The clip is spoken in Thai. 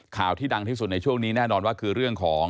ข่าวที่ดังที่สุดในช่วงนี้แน่นอนว่าคือเรื่องของ